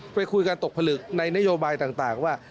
ไปคุยกันตกผลึกในนโยบายต่างว่า